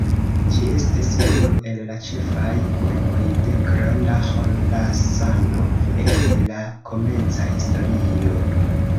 Ĝi estis unu el la ĉefaj urboj de Granda Ĥorasano, ekde la komenca historio.